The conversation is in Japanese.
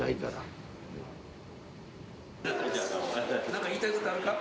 何か言いたいことあるか？